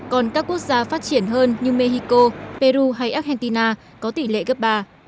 còn các quốc gia phát triển hơn như mexico peru hay argentina có tỷ lệ gấp ba